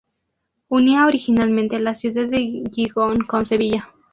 Unía originalmente la ciudad de Gijón con Sevilla.